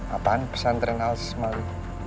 apaan pesantren al samali